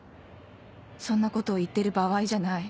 そんなことを言ってる場合じゃない